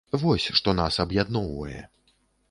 Вось што нас аб'ядноўвае.